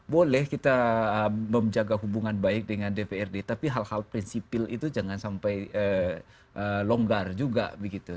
boleh kita menjaga hubungan baik dengan dprd tapi hal hal prinsipil itu jangan sampai longgar juga begitu